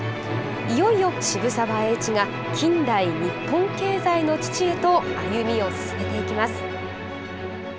いよいよ、渋沢栄一が近代日本経済の父へと歩みを進めていきます。